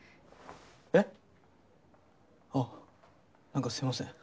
えっ⁉あっなんかすみません。